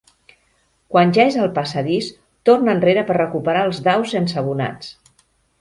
Quan ja és al passadís torna enrere per recuperar els daus ensabonats.